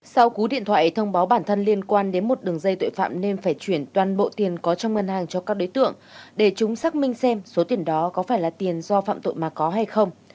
sau cú điện thoại thông báo bản thân liên quan đến một đường dây tội phạm nên phải chuyển toàn bộ tiền có trong ngân hàng cho các đối tượng để chúng xác minh xem số tiền đó có phải là tiền do phạm tội mà có hay không